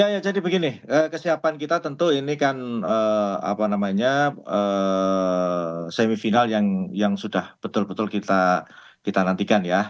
ya jadi begini kesiapan kita tentu ini kan apa namanya semifinal yang sudah betul betul kita nantikan ya